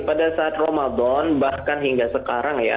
pada saat ramadan bahkan hingga sekarang ya